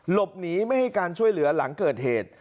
หลบหนีไม่ให้การช่วยเหลือหลังเกิดเหตุ